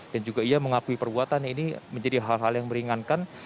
dan juga ia mengakui perbuatan ini menjadi hal hal yang meringankan